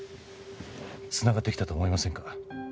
つながってきたと思いませんか？